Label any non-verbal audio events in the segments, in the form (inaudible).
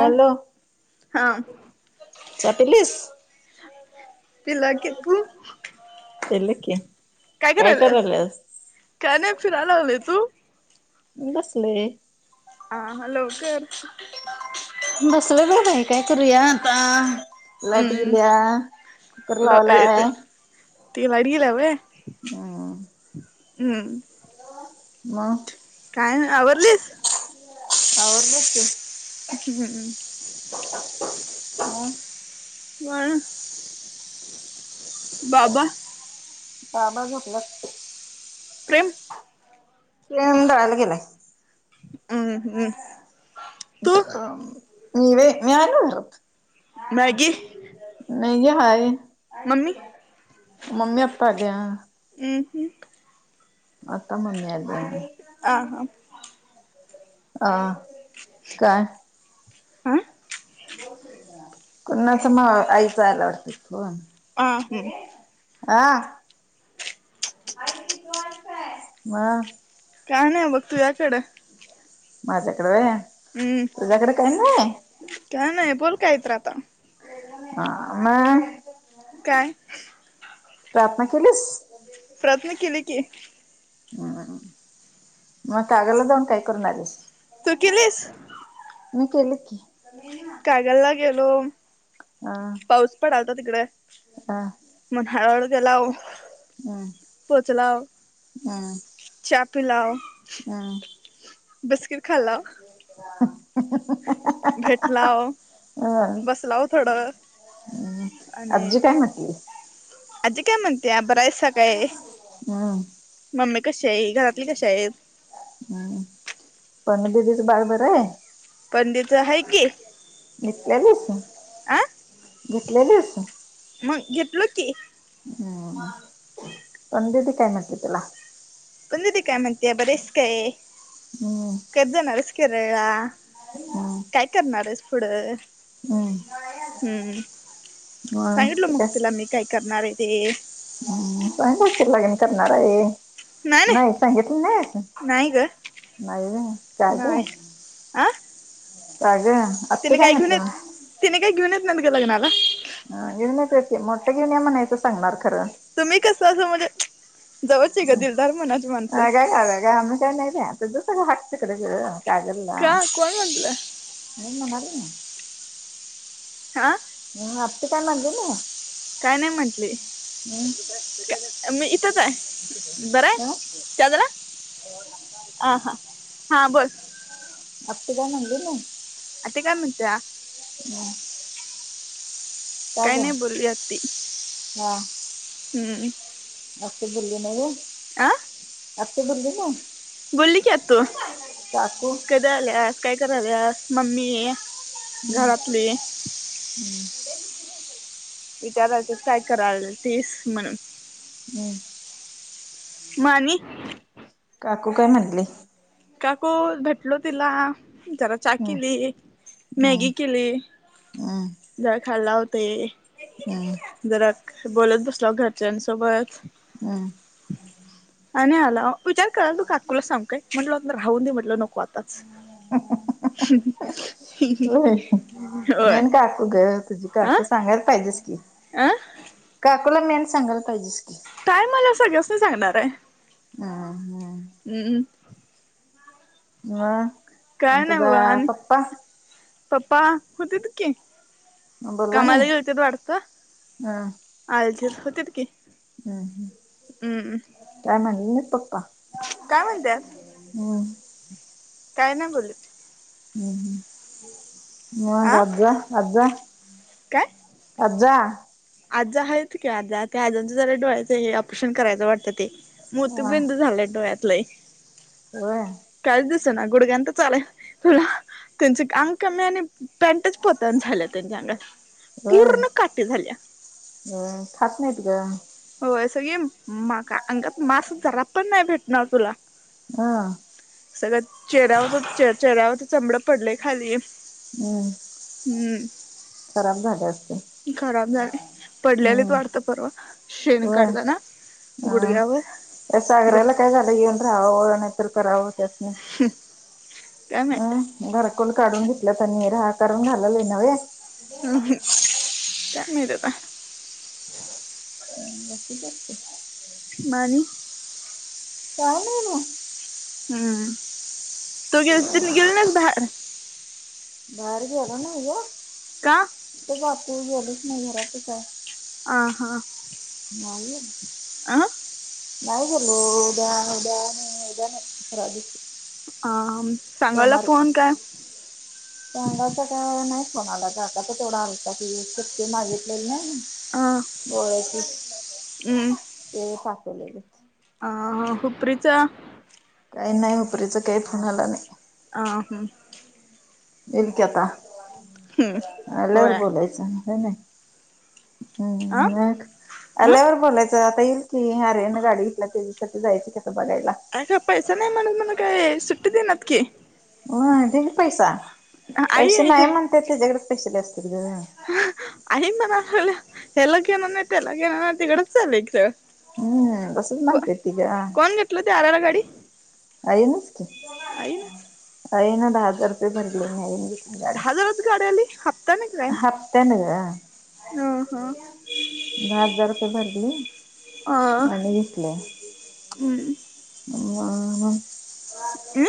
Hello हा चहा पीलीस. तिला तू काय करायल्यास? काय नाही फिरायला लागले, तू? बसले. हां लवकर बसलोय बाई आहे, काय करूया आता? लाइट हम्म गेलीया, कुकर ल लावलाय ती लाईट गेलीया व्हय. हम (unintelligible) हम्म. मगं काय मग आवरलीस? आवरलो की. हम् मग वर (unintelligible) बाबा बाबा झोपल्यात. प्रेम प्रेम दळायला गेलाय. अं हुं... मी व्हय, मी आलो घरात. मॅगी मॅगी हाय, मम्मी मम्मी आत्ता आल्या. अ हूं... आत्ता मम्मी आल्या. ह हा अ काय? आं बोल की एकदा, कोणाच नव्ह आईचा आला वाटतं फोन, आ हम्म बरी हायस? आ, मग काय नाही बघ तूज्याकडं. माझ्याकडं व्हय हूं.. तुझ्याकडे काही नाही काय नाही बोल काहीतर आता हा मग काय. प्रार्थना केलीस. प्रार्थना केली की. ह... मग कागलला जाऊन काय करून आलीस? तू केलीस? मी केलं की कागलला गेलो, अ पाऊस पडलता तिकडं. अ मग हळुहळू गेलाव, हम्म पोचला. व हम्म चा पिलाव. बिस्किट खाल्लाव (unintelligible) भेटलाव, बसलाव थोडं. मग आणि अबजी काय म्हटंली? आजी काय म्हणत्या बरायसा काय? हम.. मम्मी कशी आहे?, घरातली कशी आहेत? हं पनू दिदीचं बाळ बरं हाय? पंडित आहे घेतल्यालीस आं घेतल्यालीस. मंग घेतलो की. हं.. पंनु दीदी काय म्हटली तुला? पनुदिदी काय म्हणत्या बरी हायस काय, हम्म कधी जाणारयास केरळला.? हम्म काय करणार आहेस पुढं? हम्म हुं.. सांगिटलो मग तिला मी काय करणार आहे ते. हुं.. सांगितली असशील लगीन करणार आहे. नाही सांगितली नाहीस, नाही ग नाही व्हयं का गं? नाही आ का, गं. तिने काय घेऊन येत, तिने काय घेऊन येत नाहीत का लग्नाला? घेरून मोठ्या घेउन म् हणायचं सांगणार खरं.. तुम्ही कसं असं म्हणजे (unintelligible) जवळची ग दिलदार मनाची माणसं का कोण (unintelligible) म्हटलं मी म्हणाल ना. हा, मग आपी काय म्हणली नाय? काय नाही म्हटली, मी इथच आहे बरंय? चा झाला? ह हा हा बोल. आपी काय म्हणली नाय? ते काय म्हणत्यात हम् काही नाही बोलली आत्ती. हा हम्म आपी बोलली नव्हं. आं आती बोलली ना? बोलली की आतू, काकू कधी आल्यास काय कराल्यास आलीस मम्मीये हम्म, घरातले विचारा ते काय करालतीस म्हणून. हम्म मानी काकू काय म्हणली? काकू भेटलो तिला, जरा चा हम्म, केली, मॅगी केली. हम जाय खाल्ला होते. काय? जरा बोलत बसलाव घरच्यांसोबत. हम् आणि आलाव विचार कराल तू काकुला सांग काय. म्हटलं ना राहून दे म्हटलं, नको आताच. होय. (inaudible) मेन काकू गं, तुझी अ काकू सांगायला पाहिजेस की. अ काकुला मेन सांगायला पाहिजेस की. टाइम आल्यावर सगळ्यासनी सांगणार आहे. हम् हम् हं मग आणि काय नाही ब तुझा आणि पप्पा? पप्पा होतीत की. बोलला नाही कामाला गेलतीत वाट, हम्म आलतीत हुतीत कि हम्म हम्म हम्म काय म्हणल नाय पप्पा? काय म्हणत्यात? हम्म काय नाय बोललीत. हं हं मग आ आजा आज्जा काय आज्जा आजा आहेत की आजा ते आजांचं जरा डोळ्यांचं हे ऑपरेशन करायचं वाटतं ते होय मोतीबिंदू झालंय डोळ्यात लई व्हय कायच दिसना गुडघ्यानं तर चालाय तुला त्यांचे अंग कमी आणि पॅन्टच पतन झाल्या त्यांच्या अंगात पूर्ण काठी झाल्या व्हय खात नाहीत गं व्हय सगळी मा काय अंगात मास जरा पण नाही भेटणार तुला हा सगळं चेहऱ्यावर चेह चेहऱ्यावरच चमडं पडलय खाली हम् हम्म खराब झाल्या असतील. खराब झालय पडल्यालीत वाटत परवा शेण व्हय काढताना हा गुडघ्यावर या ग सागऱ्याला काय काय झालं येऊन राहावं नाय तर करावं त्यासनी काय अ माहित घरकुल काढून घेतल्यात आणि राह करून घालायला येईना व्हय. अ हं काय माहित आता? (inaudible) हं बाकीचं असतंय मामी काय नाही ना हम्म तू गेलती गेली नाहीस बाहेर बाहेर गेलो नाही ग का कुठं जातुय गेलोच नाही घरातच हाय आ हा नाही ये आं नाही गेलो उद्या उद्या नाही उद्या नाही परवा दिवशी आ म सोमारी सांगावचा काय नाही फोन आला काकाचा तेवढा आलता की ती एक चिठ्ठी मागी तलेलं नाही अ डोळ्याची हम् ते पाठवलेलीत. अ हं हुपरीचं काय नाही हुपरीचं काय फोन आला नाही. आ हम्म येईल की आता आल्यावर होय अ बोलायचं व्हय नाही. हम्म अ मग आल्यावर अ बोलायचं आता येईल की आर्यननं गाडी घेतल्या त्याच्यासाठी जायचं कि आता बघायला. काका पैसा नाही म्हणून म्हणून काय सुट्टी देईनातकी. हो ढीगं पैसा आई पैशे नाही म्हणत त्याच्याकडेच पैशे लई असत्यात ग. आई म्हणा लागल्या ह्याला घेणार नाही त्याला घेणार नाही तिकडंच चालल्या कि सरळ हम्म तसंच म्हणत्या ती गं कोण घेतलं ते आराला गाडी आई आई ना आईनं दहा हजार रुपये भरले नवीन घेतली गाडी. हफ्ताने का काय? त्याने का ह ह दहा हजार रुपये भरली. आणि घेतल्या हम्म. (inaudible) हम.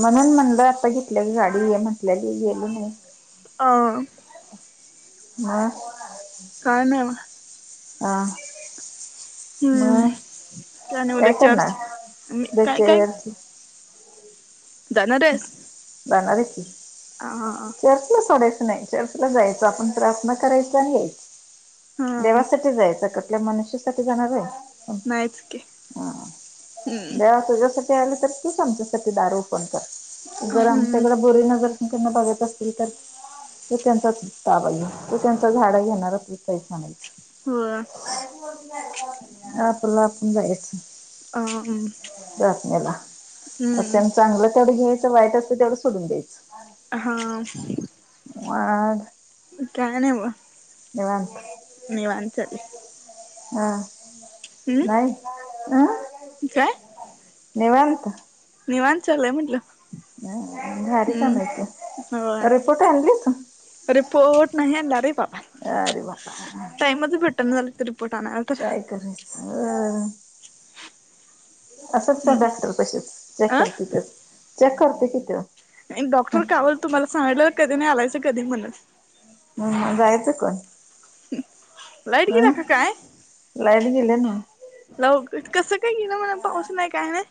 म्हणून म्हटलं आता घेतल्या की गाडी ये म्हटल्या की गेल नाही. म. हम. काय ना म. हा. मग हम्म नाही उद्या काय चर्च मी करणार काय (unintelligible) जाणारेस? जाणार आहे की (unintelligible) सोडयचं नाही चर्चला जायचं आपण प्रार्थना करायचा आणि यायच. ह देवासाठी जायचं कुठल्या मनुष्यासाठी जाणार आहे. नाहीच की हम हम्म देवा तुझ्यासाठी (unintelligible) ते आलं तर तुच आमच्यासाठी दार ओपन कर जर हम्म आमच्याकडे बुरी नजर नी बघत असतील तर तू त्यांचाताबाई तू त्यांच झाड घेणार त नाही. हो. आपला आपण जायच. प्रार्थनेला (unintelligible) हम्म चांगलं तेवढं घ्यायचं वाईट असं तेवढं सोडून द्यायच. हा. (inaudible) काय नाही व. निवांत. निवांत चालू आहे. हा हम्म नाहीय अ काय (unintelligible) निवांंत. निवांत चालय म्हंटलं. ह घारी कानायची, होय रिपोर्ट आणली का? रिपोर्ट नाही आणला रे बाप. अरे बाबा भेटना झालं तर रिपोर्ट आणायला तर काय करायचं. असंच का हम्म डॉक्टर कसेच चेक अ करते ते चेक करते कि तो. डॉक्टर कावाल तुम्हाला सांगडलं कधी नाही आलायचं कधी म्हणस. हम्म जायचं कोण. लाईट गेल अं की काय. लाईट गेले ना. लव कसं काय गेलं म्हणा पाऊस नाही काय ना.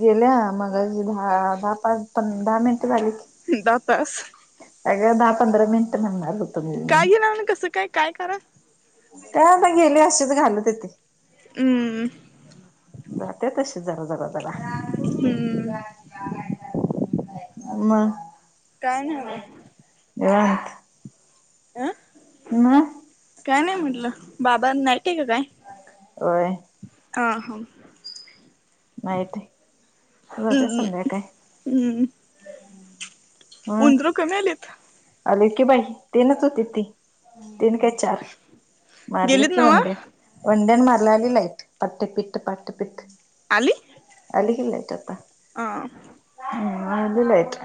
गेल्या मग दहा दहा पाच प दहा मिनिटं झाली. दहा तास. अगं दहा पंधरा मिनिट म्हणालो होतो मी. काय घे ना ना कसं काय काय करत. काय आता गेली अशीच घाल तिथं. हम्म जाते तशी जरा जरा जरा. हम्म मग, काय नाही ब अं, मं, काय नाही म्हटलं, बाबा नाही के कि काय, होय अ हा माहित आहे, तुझ क सध्या काय? ह, उदरं कमी आयलेत अली की बाई तीनच होती ती, तीन काय चार गेलीत मारलीत की नव्ह (unintelligible) वुड्यानं मारलाली ला पाटपिट पाटपिट आली, अली कि लाईट आता. आ, हम्, आली लाईट.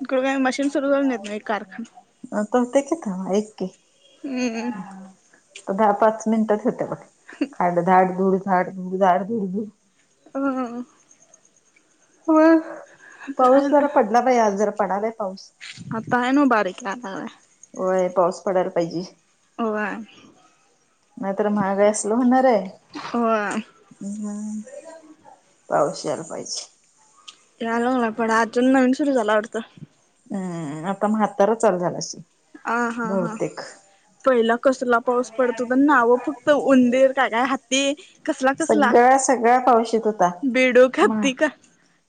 तिकडं काय मशीन सुरू झालं नाही म एक कारखान अ तो ते त एक कि.. हम्म हा तर दहा पाच मिनिटच होत्या, पण खड धड, धाडधूडड धाडधूडड, धूड- धूड. हं, हं, हं हं, पाऊस जरा पडला नाही, आज जरा पडलाय पाऊस. आता आहे ना बारीक आला आहे. होय पाऊस पडायला पाहिजे. होय नाही तर महागा असल होणार आहे. होय हम, पाऊस यायला पाहिजे. याला लागला पण अजून नाही सुरू झाला वाटंत. हम् आता म्हातारा चालू झाला अशी आ, हा, हा. पहिला कसला पाऊस पडतो, तर नावं फक्त उंदीर का काय हत्त ते कसला -कसला सगळा सगळा पाऊस येत होता बेडुक, मा हत्ती का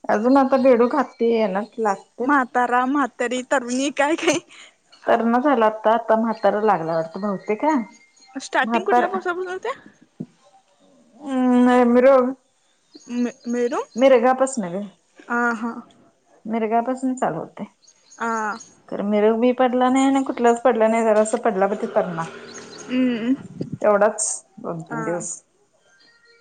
अजून आता बेडुक, हात्ती ये ना लाग म्हातारा, म्हातारी, तरुणी काय -काय तर न झालं आत्ता, आता म्हातारा लागला वाटतं भवतेक हा स्टार्टिंग म्हातार कुठल्या पासुन ब होते? अं, मेन रोड मे, मे रो, आ हा मिरगा पासून चालवते. आ, तर म मिरग मी पडला नाही, आणि कुठलाच पडला नाही ज असं पडपतीपणार हम्म (unintelligible) तेवढाच दोन -तीन हा दिवस,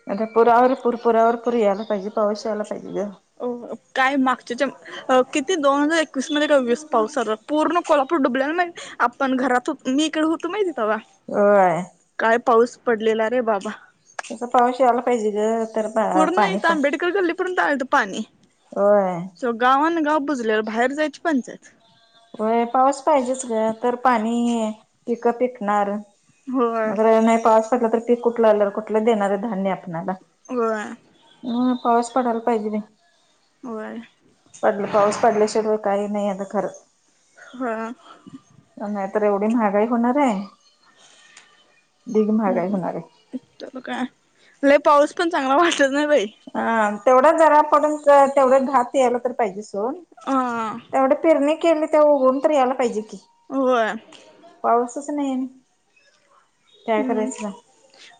म्ह ते पुरावर -पुूर, पुरावर-पुर यायले. काधि पावसायला पाहिलयं अ काय मागच्या च्या किती दोन हजार एकवीस मध्ये का विस पावसा पूर्ण कोल डुबले माहित आपण घरात होतो, मी इकडे होतो माहिती तेव्हा. होय, काय पाऊस पडलेला रे बाबा असा पाउस आला पाहिजे गं. पूर्ण इथं आंबेडकर गल्ली पर्यंत हाय इथं पाणी होय सो गावन गाव बुजल्याल बाहेर जायची पंचायत होय पाऊस पाहिजेच ग तर पाणी पिक पिकणार होय अगर नाही पाऊस पडला तर पीक कुठल आल कुठल देणार आहे धान्य आपल्याला वाय हम् पाऊस पडायला पाहिजे बाई होय पडल पाऊस पडल्या शिवय काही नाही आता खर हा नाही तर एवढी महागाई होणार आहे ढिग महागाई होणार आहे. ऐकत काय पाऊस पण चांगला वाटत नाही बाई? हा तेवढच जरा पडून तेवढ घात यायला तर पाहिजे. हा तेवढे फिरणे केली ते उघून तर यायला पाहिजे की. होय पाऊसच नाही ये हम्म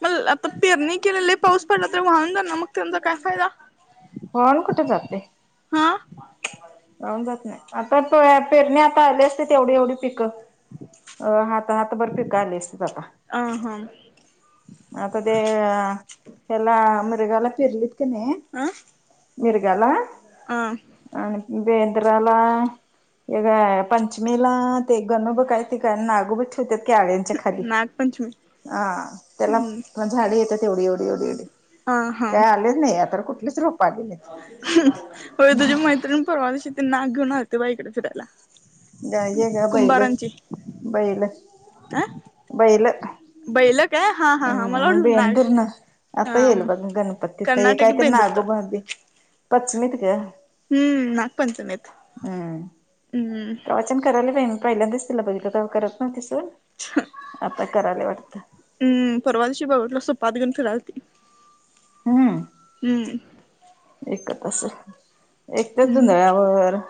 मग आता पेरणी केले लई पाऊस पडला तरी वाहून जालना मग त्यांनचा काय फायदा वाहून कुठे हा व्हाऊन जात नाही आता पेरणी आता आले असते ते एवढी एवढी पिक अ हात हात भर पिक असतित आता अ हा आता ते हेला मृगाला फिरलीत किने अ मिरगाला अ आणि बेंद्राला एगा पंचमीला ते गणू बि कायती करना नागू बि त्या क्याळेंच्या खाली नागपंचमी आ त्याला हम्म झाड येतात एवढी एवढी एवढी एवढी अ हा काय आलेच नाही आता कुठलीच रोप आली नाहीत होय तुझी मैत्रिणी परवा दिवशी नाग घेउण आलती बाई ईकडे फिरायला. घ्यायचेय का बैल कुंभारांची बैल अ बैल बैल काय हा हा हा मला हम् वाटलं नाग बेंदीर ना आता येईल बघ गणपती तर ये काय कर्नाटकी ते बेंदूरतळ नागोबा पश्चिमीत ग हम्म नागपंचमीत हम्म पचन करायला काही नाही पहिल्यांदीच तिला बघितल का करत नाह्वती सून आता करायलीये वाटत हम् परवा दिशी बाटला सोपाद घेऊन फिरायला आलती हम्म एकतस एकत्याच हम्म जुंधळ्यावर